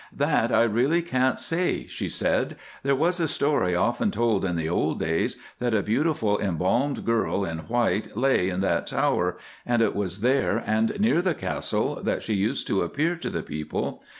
"That I really can't say," she said. "There was a story often told in the old days that a beautiful embalmed girl in white lay in that tower, and it was there and near the Castle that she used to appear to the people.